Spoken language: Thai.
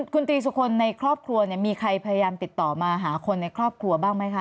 คุณตรีสุคลในครอบครัวมีใครพยายามติดต่อมาหาคนในครอบครัวบ้างไหมคะ